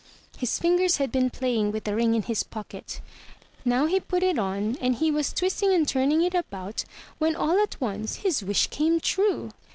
His fingers had been playing with the ring in his pocket. Now he put it on, and he was twisting and turning it about, when all at once his wish came true